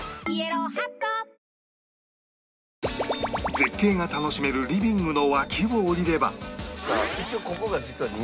絶景が楽しめるリビングの脇を下りれば